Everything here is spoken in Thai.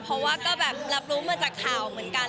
เพราะว่าก็แบบรับรู้มาจากข่าวเหมือนกัน